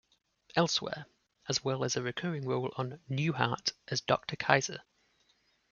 Elsewhere", as well as a recurring role on "Newhart" as Doctor Kaiser.